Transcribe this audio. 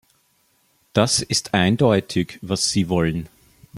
Das ist eindeutig, was Sie wollen.